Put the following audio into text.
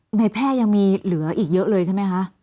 ในแพทย์ยังมีเหลืออีกเยอะเลยใช่ไหมคะ